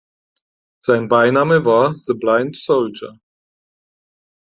Sein Beiname war "The Blind Soldier".